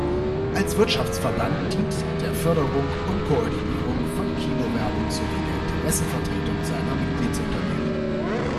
Als Wirtschaftsverband dient der Förderung und Koordinierung von Kinowerbung sowie der Interessenvertretung seiner Mitgliedsunternehmen.